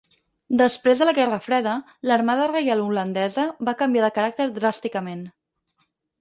Després de la Guerra Freda, l"Armada Reial Holandesa va canviar de caràcter dràsticament.